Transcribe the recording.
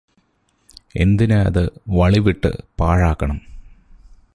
എന്തിന് അത് വളിവിട്ട് പാഴാക്കണം